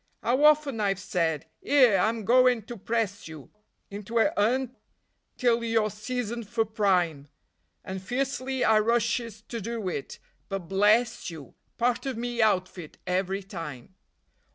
'Ow often I've said: "'Ere, I'm goin' to press you Into a 'Un till you're seasoned for prime," And fiercely I rushes to do it, but bless you! Part of me outfit every time.